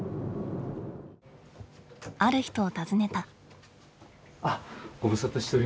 ある人を訪ねた。